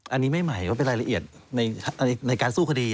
อันนี้ไม่หมายว่าเป็นรายละเอียดในการสู้คดี